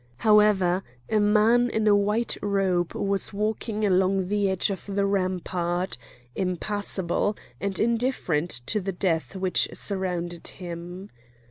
However, a man in a white robe was walking along the edge of the rampart, impassible, and indifferent to the death which surrounded him.